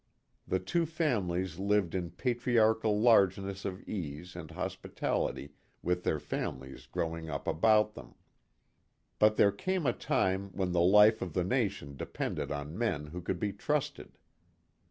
The two families lived in patriarchal largeness of ease and hospitality with their families grow ing up about them. But there came a time when the life of the nation depended on men who could be trusted.